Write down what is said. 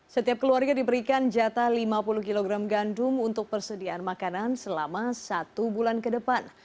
setiap keluarga diberikan jatah lima puluh kg gandum untuk persediaan makanan selama satu bulan ke depan